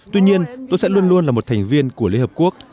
tuy nhiên tôi sẽ luôn luôn là một thành viên của liên hợp quốc